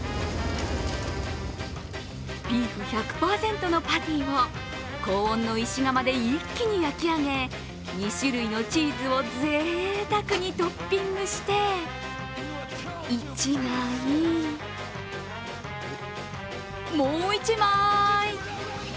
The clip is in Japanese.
ビーフ１００％のパティを高温の石窯で一気に焼き上げ２種類のチーズをぜいたくにトッピングして１枚、もう１枚。